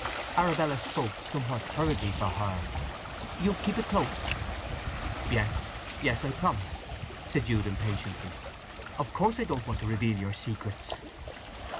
Arabella spoke somewhat hurriedly for her. "You'll keep it close?" "Yes—yes—I promise!" said Jude impatiently. "Of course I don't want to reveal your secrets."